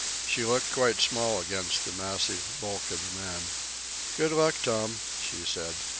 She looked quite small against the massive bulk of the man. "Good luck, Tom," she said.